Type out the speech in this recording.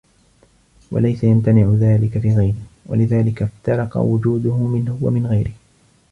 وَلَيْسَ يَمْتَنِعُ ذَلِكَ فِي غَيْرِهِ وَلِذَلِكَ افْتَرَقَ وُجُودُهُ مِنْهُ وَمِنْ غَيْرِهِ